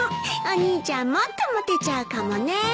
お兄ちゃんもっとモテちゃうかもね。